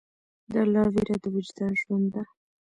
د الله ویره د وجدان ژوند ده.